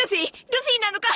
ルフィなのか！？